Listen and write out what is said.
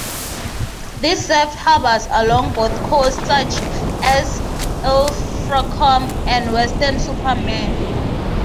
These served harbours along both coasts, such as Ilfracombe and Weston-super-Mare.